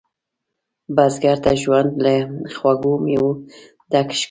بزګر ته ژوند له خوږو میوو ډک ښکاري